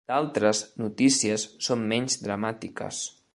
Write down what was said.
D'altres notícies són menys dramàtiques.